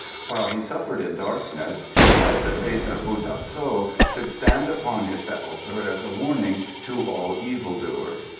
While he suffered in darkness, she said the face of Bu tah so should stand upon his sepulchre as a warning to all evil doers.